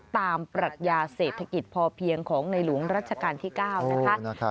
ปรัชญาเศรษฐกิจพอเพียงของในหลวงรัชกาลที่๙นะคะ